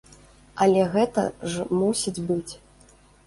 Але гэта ж мусіць быць.